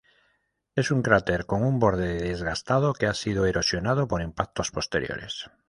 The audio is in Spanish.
Es un cráter con un borde desgastado que ha sido erosionado por impactos posteriores.